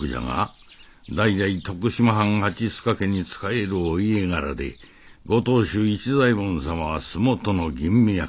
代々徳島藩蜂須賀家に仕えるお家柄で御当主市左衛門様は洲本の吟味役。